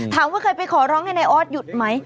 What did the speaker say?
เคยไปขอร้องให้นายออสหยุดไหม